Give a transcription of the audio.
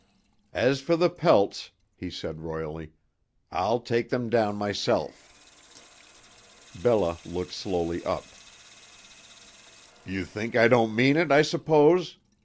"As for the pelts," he said royally, "I'll take them down myself." Bella looked slowly up. "You think I don't mean it, I suppose?"